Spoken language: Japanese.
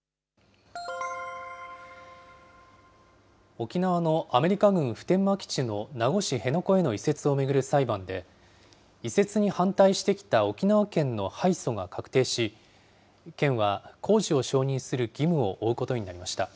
沖縄のアメリカ軍普天間基地の名護市辺野古への移設を巡る裁判で、移設に反対してきた沖縄県の敗訴が確定し、県は工事を承認する義務を負うことになりました。